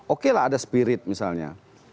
oke lah ada spirit misalnya